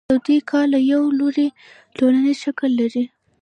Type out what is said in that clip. د دوی کار له یوه لوري ټولنیز شکل لري